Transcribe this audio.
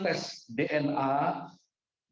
bahwa jasad yang ditemukan kemarin